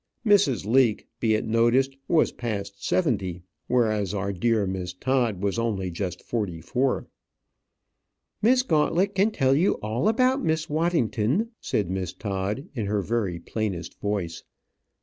Mrs. Leake, be it noticed, was past seventy, whereas, our dear Miss Todd, was only just forty four. "Miss Gauntlet can tell you all about Miss Waddington," said Miss Todd, in her very plainest voice.